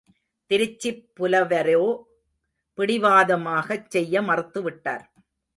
திருச்சிப் புலவரோ பிடிவாதமாகச் செய்ய மறுத்துவிட்டார்.